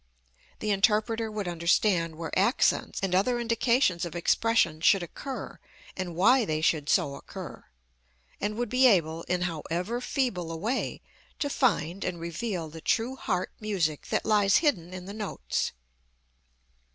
The interpreter would understand where accents and other indications of expression should occur and why they should so occur, and would be able, in however feeble a way, to find and reveal the true heart music that lies hidden in the notes.